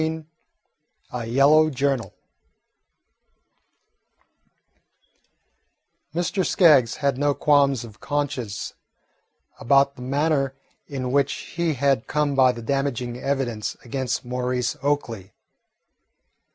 XVII A YELLOW JOURNAL Mr. Skaggs had no qualms of conscience about the manner in which he had come by the damaging evidence against Maurice Oakley.